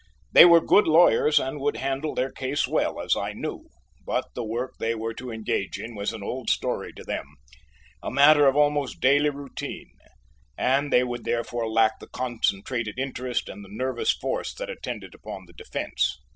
They were good lawyers, and would handle their case well I knew, but the work they were to engage in was an old story to them, a matter of almost daily routine, and they would therefore lack the concentrated interest and the nervous force that attend upon the defence.